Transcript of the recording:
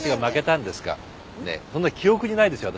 そんな記憶にないですよ。